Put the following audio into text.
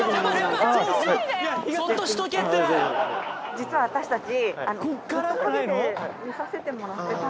実は私たち。